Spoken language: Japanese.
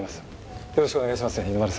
よろしくお願いします